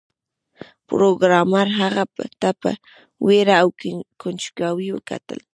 پروګرامر هغه ته په ویره او کنجکاوی وکتل